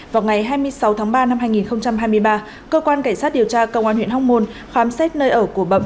vào ngày hai mươi sáu tháng ba năm hai nghìn hai mươi ba cơ quan cảnh sát điều tra công an huyện hóc môn khám xét nơi ở của bậm